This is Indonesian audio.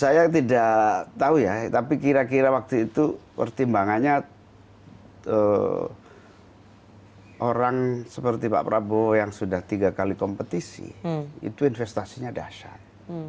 saya tidak tahu ya tapi kira kira waktu itu pertimbangannya orang seperti pak prabowo yang sudah tiga kali kompetisi itu investasinya dasyat